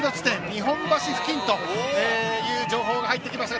日本橋付近という情報が入ってきました。